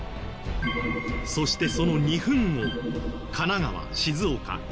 そしてその２分後神奈川静岡山梨